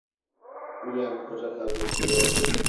"Ülen kocakarı" diyordu.